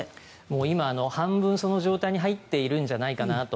今、半分その状態に入っているんじゃないかなと。